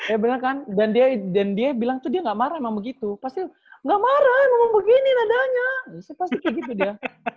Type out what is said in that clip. eh bener kan dan dia bilang tuh dia gak marah emang begitu pasti gak marah emang begini nadanya pasti kayak gitu dia